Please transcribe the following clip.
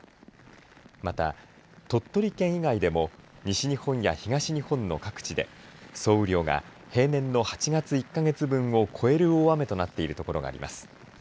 また、鳥取県以外でも西日本や東日本の各地で総雨量が平年の８月１か月分を超える大雨となっているところがあります。